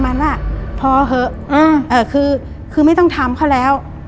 มันบังบละ